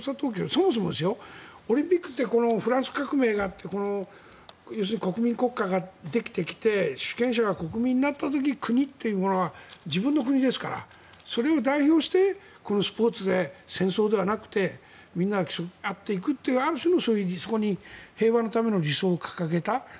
そもそもオリンピックってフランス革命があって国民国家ができてきて主権者が国民になった時国というものが自分の国ですからそれを代表してスポーツで、戦争ではなくてみんなが競い合っていくというある種のそういう理想平和のための理想を掲げた。